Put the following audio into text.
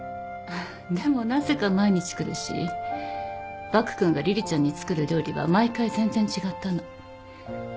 でもなぜか毎日来るし獏君がりりちゃんに作る料理は毎回全然違ったの。